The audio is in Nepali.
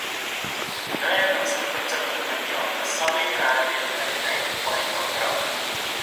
नयाँ नक्सा प्रचलनमा ल्याउन सबै कार्यालयलाई परिपत्र